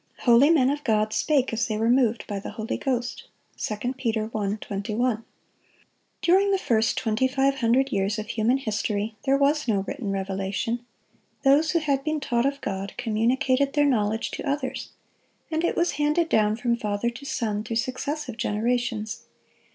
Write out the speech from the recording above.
"Holy men of God spake as they were moved by the Holy Ghost." 2 Peter 1:21. During the first twenty five hundred years of human history, there was no written revelation. Those who had been taught of God, communicated their knowledge to others, and it was handed down from father to son, through successive generations.